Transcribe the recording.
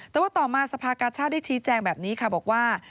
แต่ว่าต่อมาสภากาชาติได้ชี้แจงแบบนี้ค่ะบอกว่า